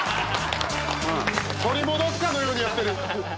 取り戻すかのようにやってる！